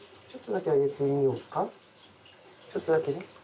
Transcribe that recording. ちょっとだけね。